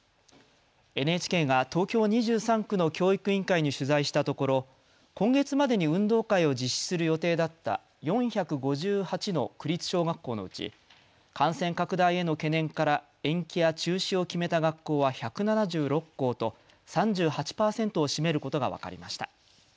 ＮＨＫが東京２３区の教育委員会に取材したところ、今月までに運動会を実施する予定だった４５８の区立小学校のうち感染拡大への懸念から延期や中止を決めた学校は１７６校と３８％を占めることが分かりました。